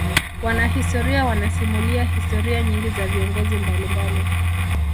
wanahistoria wanasimulia historia nyingi za viongozi mbalimbali